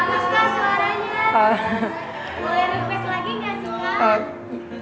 mulai refresh lagi gak cuma